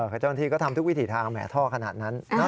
ขจรที่ก็ทำทุกวิธีทางแหมท่อขนาดนั้น